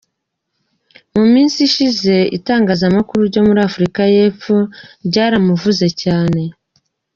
Mu minsi ishize itangazamakuru ryo muri Afurika y’Epfo ryaramuvuze cyane.